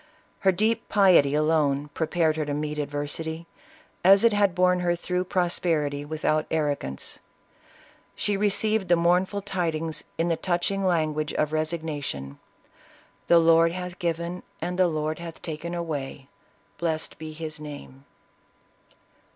Her deep piety alone prepared her to meet adversity, as it had borne her through prosperity, without arrogance. She received the mournful tidings in the touching language of resignation, " The Lord hath given, and the Lord hath taken away, blessed be his name